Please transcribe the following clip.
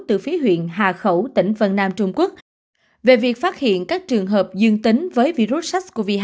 từ phía huyện hà khẩu tỉnh vân nam trung quốc về việc phát hiện các trường hợp dương tính với virus sars cov hai